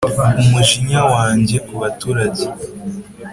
Umujinya wanjye ku baturage